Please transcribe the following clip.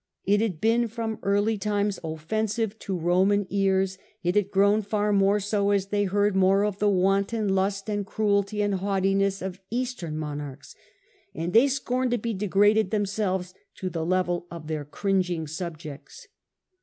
It had been from sincerely early times offensive to Roman ears ; it had grown far more so as they heard more of the title of King wanton lust and cmelty and haughtiness of Eastern mo narchs, and they scorned to be degraded themselves to the level of their cringing subjects.